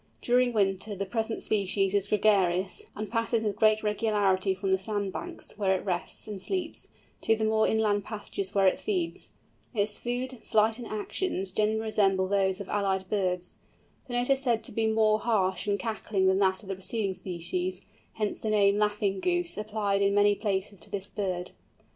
During winter the present species is gregarious, and passes with great regularity from the sand banks, where it rests and sleeps, to the more inland pastures where it feeds. Its food, flight, and actions generally resemble those of allied birds. The note is said to be more harsh and cackling than that of the preceding species, hence the name "Laughing Goose," applied in many places to this bird.